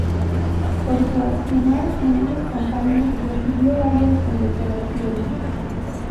Por su accionar en esas campañas recibió varias condecoraciones.